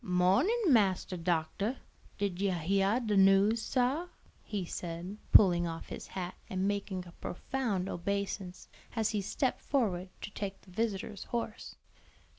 "Mornin', Massa Doctah; did you heyah de news, sah?" he said, pulling off his hat and making a profound obeisance, as he stepped forward to take the visitor's horse.